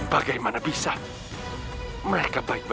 bagaimana bisa mereka baik baik